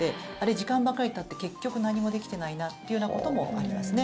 時間ばかりたって結局何もできていないなというようなこともありますね。